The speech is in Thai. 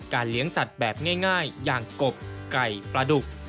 เลี้ยงสัตว์แบบง่ายอย่างกบไก่ปลาดุก